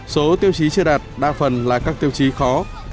số tiêu chí chưa đạt đa phần là các tiêu chí khó